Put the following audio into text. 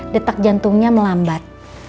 detak jantungnya melambat